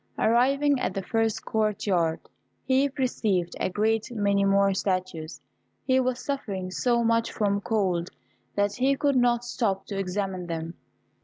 Arriving at the first court yard, he perceived a great many more statues. He was suffering so much from cold that he could not stop to examine them.